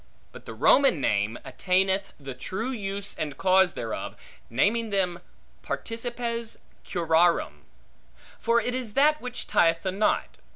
But the Roman name attaineth the true use and cause thereof, naming them participes curarum; for it is that which tieth the knot.